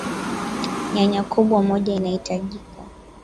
nyanya kubwa moja itahitajika